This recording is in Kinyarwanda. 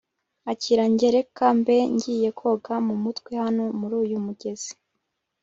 akira njye reka mbe ngiye koga mumutwe hano muruyu mugezi